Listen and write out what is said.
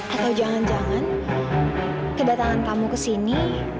atau jangan jangan kedatangan kamu kesini